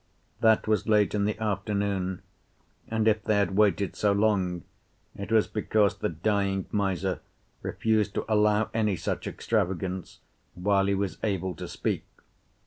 That was late in the afternoon, and if they had waited so long, it was because the dying miser refused to allow any such extravagance while he was able to speak.